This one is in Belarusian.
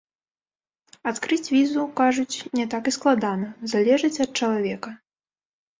Адкрыць візу, кажуць, не так і складана, залежыць ад чалавека.